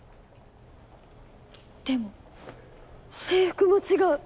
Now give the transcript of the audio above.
でも制服も違う。